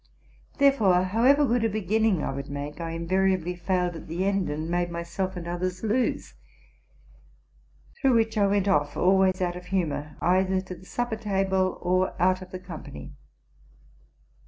Therefore, however good a beginning I would make, I invariably failed at the end, and made myself and others lose ; through which I went off, always out of humor, either to the supper table or out of the company.